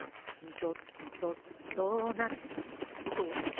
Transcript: ドドドーナツ。